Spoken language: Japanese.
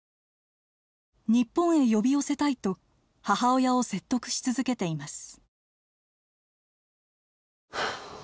日本へ呼び寄せたいと母親を説得し続けています。